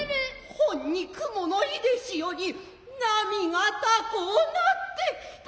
ほんに雲の出でしより波が高うなってきた。